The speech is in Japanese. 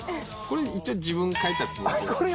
これ一応自分描いたつもりです。